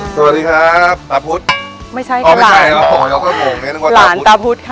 สวัสดีครับสวัสดีครับตาพุธไม่ใช่กระหล่านตาพุธค่ะ